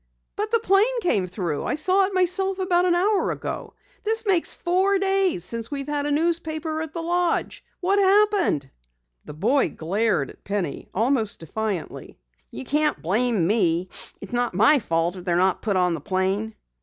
"But the plane came through! I saw it myself about an hour ago. This makes four days since we've had a newspaper at the lodge. What happened?" The boy glared at Penny almost defiantly. "You can't blame me. It's not my fault if they're not put on the plane."